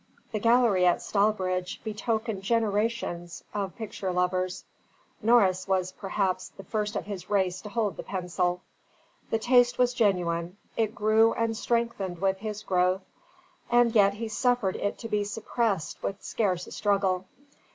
The gallery at Stallbridge betokened generations of picture lovers; Norris was perhaps the first of his race to hold the pencil. The taste was genuine, it grew and strengthened with his growth; and yet he suffered it to be suppressed with scarce a struggle.